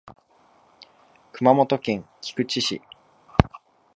熊本県菊池市